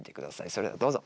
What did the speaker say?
それではどうぞ。